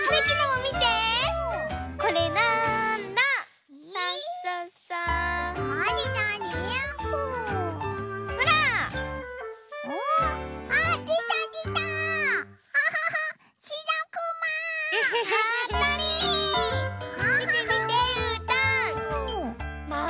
みてみてうーたん。